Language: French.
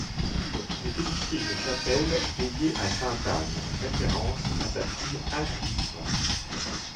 Poulle fait édifier une chapelle dédiée à sainte Anne, référence à sa fille Anne-Victoire.